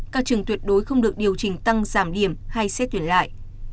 các trường tuyệt đối không được điều chỉnh tăng giảm điểm hay xét tuyển lại